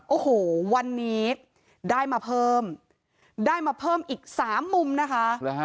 โอ้โหวันนี้ได้มาเพิ่มได้มาเพิ่มอีกสามมุมนะคะ